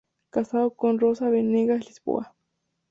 Casado con "Rosa Venegas Lisboa".